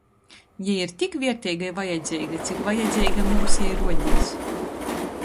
Jei ir tik vierteiga i vajadzeiga, cik vajadzeiga mums jei ruodīs.